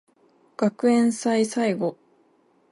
学園祭最後